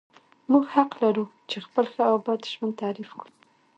موږ حق لرو چې خپل ښه او بد ژوند تعریف کړو.